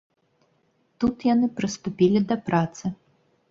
Тут яны прыступілі да працы.